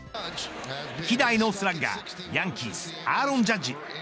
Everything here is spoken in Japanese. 希代のスラッガーヤンキースアーロン・ジャッジ。